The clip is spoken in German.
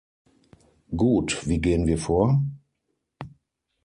Gut, wie gehen wir vor?